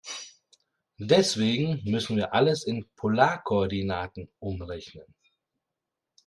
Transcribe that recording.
Deswegen müssen wir alles in Polarkoordinaten umrechnen.